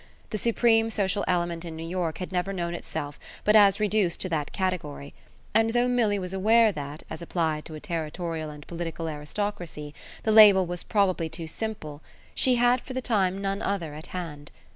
The supreme social element in New York had never known itself but as reduced to that category, and though Milly was aware that, as applied to a territorial and political aristocracy, the label was probably too simple, she had for the time none other at hand.